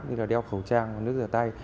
như là đeo khẩu trang nước giả tay